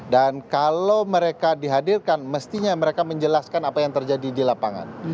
dan kalau mereka dihadirkan mestinya mereka menjelaskan apa yang terjadi di lapangan